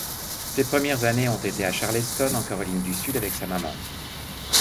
Ses premières années ont été à Charleston, en Caroline du Sud avec sa maman.